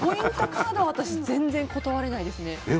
カードは私、全然断れないですね。